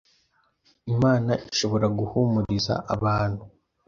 Imana ishobora guhumuriza abantu,